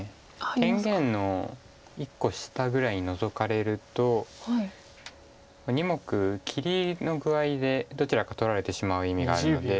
天元の１個下ぐらいにノゾかれると２目切りの具合でどちらか取られてしまう意味があるので。